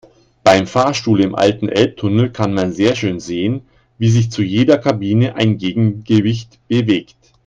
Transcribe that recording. Beim Fahrstuhl im alten Elbtunnel kann man sehr schön sehen, wie sich zu jeder Kabine ein Gegengewicht bewegt.